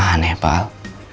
aneh pak al